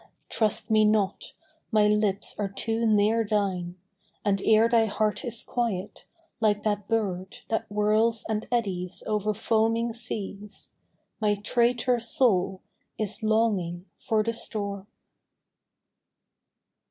trust me not, my lips are too near thine ; And ere thy heart is quiet, like that bird That whirls and eddies over foaming seas. My traitor soul is longing for the storm